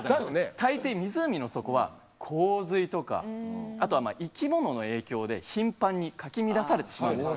大抵湖の底は洪水とかあとは生き物の影響で頻繁にかき乱されてしまうんです。